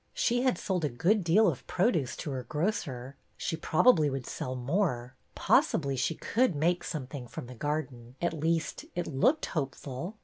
She had sold a good deal of produce to her grocer. She probably would sell more. Possibly she could make some thing from the garden. At least, it looked hopeful.